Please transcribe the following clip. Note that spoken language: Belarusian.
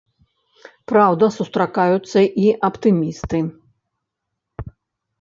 Праўда, сустракаюцца і аптымісты.